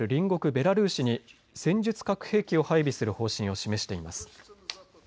ベラルーシに戦術核兵器を配備する方針を示しています。